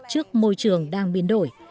trước môi trường đang biến đổi